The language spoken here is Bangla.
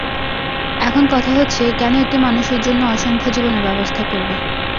এখন কথা হচ্ছে, কেন একটি মানুষের জন্যে অসংখ্য জীবনের ব্যবস্থা করবে?